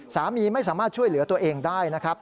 ไม่สามารถช่วยเหลือตัวเองได้นะครับ